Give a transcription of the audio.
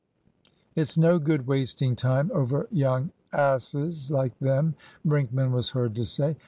"It's no good wasting time over young asses like them," Brinkman was heard to say.